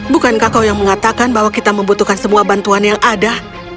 bukankah kau yang mengatakan bahwa kita membutuhkan semua bantuan yang ada